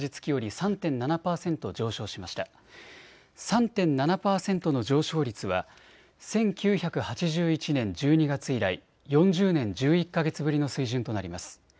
３．７％の上昇率は１９８１年１２月以来４０年１１か月ぶりの水準となります。